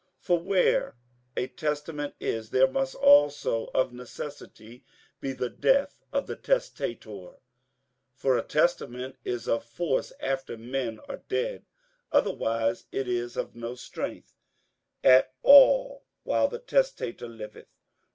58:009:016 For where a testament is, there must also of necessity be the death of the testator. 58:009:017 For a testament is of force after men are dead: otherwise it is of no strength at all while the testator liveth.